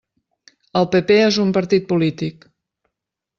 El PP és un partit polític.